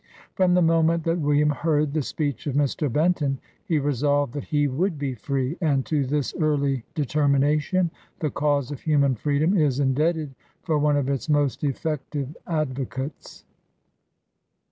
From the moment that William heard the speech of Mr. Benton, he resolved that he would be free, and to this early determination, the cause of human freedom is indebted for one of its most effective advocates.